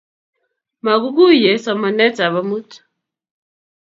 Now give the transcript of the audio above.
Maguiguiye somanetab amut